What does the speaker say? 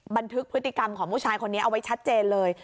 บันทึกพฤติกรรมของผู้ชายคนนี้เอาไว้ชัดเจนเลย